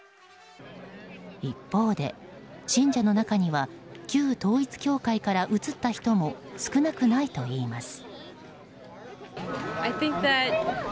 一方で、信者の中には旧統一教会から移った人も少なくないといいます。